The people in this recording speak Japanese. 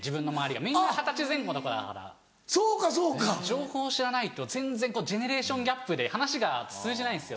情報を知らないと全然ジェネレーションギャップで話が通じないんですよ。